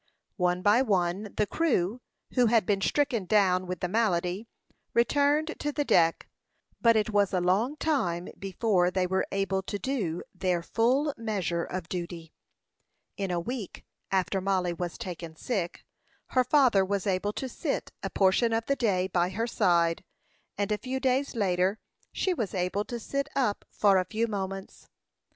One by one the crew, who had been stricken down with the malady, returned to the deck; but it was a long time before they were able to do their full measure of duty. In a week after Mollie was taken sick, her father was able to sit a portion of the day by her side; and a few days later, she was able to sit up for a few moments.